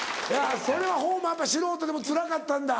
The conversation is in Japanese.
それは宝満やっぱ素人でもつらかったんだ。